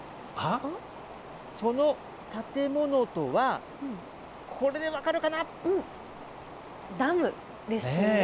その建物とは、これで分かるかなダムですね。